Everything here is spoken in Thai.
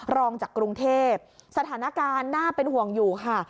รองจากกรุงเทพสถานการณ์น่าเป็นห่วงอยู่ค่ะ